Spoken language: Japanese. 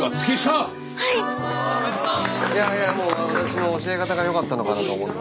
いやいやもう私の教え方がよかったのかなと思い。